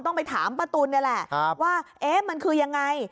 ต้องไปถามป้าตุ๋นเนี่ยแหละครับว่าเอ๊ะมันคือยังไง